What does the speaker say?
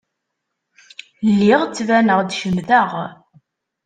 Lliɣ ttbaneɣ-d cemteɣ.